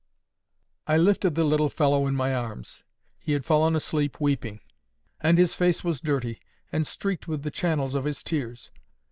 I lifted the little fellow in my arms. He had fallen asleep weeping, and his face was dirty, and streaked with the channels of his tears.